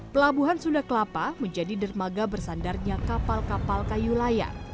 pelabuhan sunda kelapa menjadi dermaga bersandarnya kapal kapal kayu layar